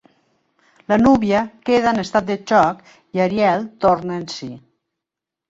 La núvia queda en estat de xoc i Ariel torna en si.